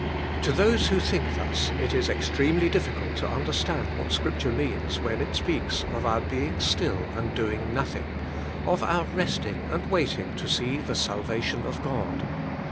To those who think thus, it is extremely difficult to understand what Scripture means when it speaks of our being still and doing nothing, of our resting and waiting to see the salva tion of God.